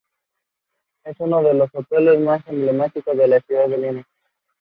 Mandip Gill also returns as Yasmin Khan.